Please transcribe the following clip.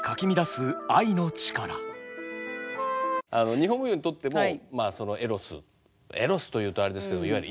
日本舞踊にとってもまあそのエロスエロスというとあれですけどいわゆる色気ですね。